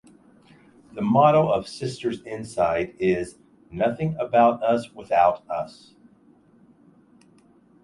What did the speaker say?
The motto of Sisters Inside is "nothing about us without us".